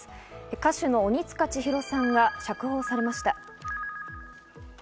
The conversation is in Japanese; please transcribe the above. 歌手の鬼束ちひろさんが釈放されました。